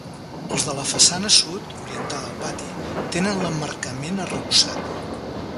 Els de la façana sud, orientada al pati, tenen l'emmarcament arrebossat.